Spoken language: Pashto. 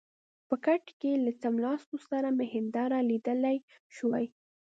په کټ کې له څملاستو سره مې هنداره لیدلای شوای.